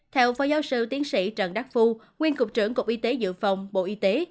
theo phó giáo sư tiến sĩ trần đắc phu nguyên cục trưởng cục y tế dự phòng bộ y tế